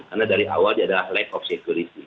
karena dari awal dia adalah lack of security